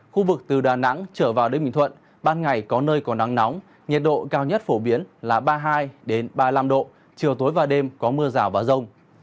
khu vực từ đà nẵng trở vào đến bình thuận ban ngày có nơi có nắng nóng nhiệt độ cao nhất phổ biến là ba mươi hai ba mươi năm độ chiều tối và đêm có mưa rào và rông